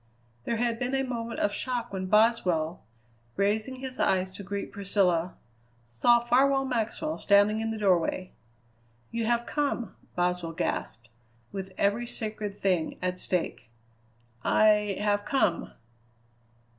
There had been a moment of shock when Boswell, raising his eyes to greet Priscilla, saw Farwell Maxwell standing in the doorway. "You have come!" Boswell gasped, with every sacred thing at stake. "I have come."